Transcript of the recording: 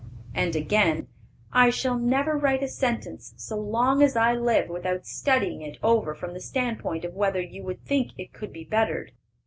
And again, "I shall never write a sentence, so long as I live, without studying it over from the standpoint of whether you would think it could be bettered."